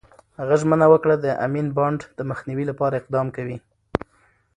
هغه ژمنه وکړه، د امین بانډ د مخنیوي لپاره اقدام کوي.